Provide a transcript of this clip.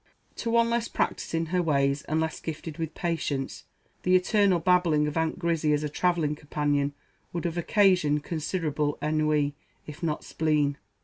To one less practised in her ways, and less gifted with patience, the eternal babbling of Aunt Grizzy as a travelling companion would have occasioned considerable ennui, if not spleen.